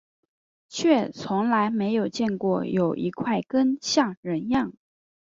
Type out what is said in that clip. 却从来没有见过有一块根像人样